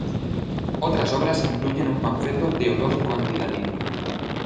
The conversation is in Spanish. Otras obras incluyen un panfleto teológico anti-latino.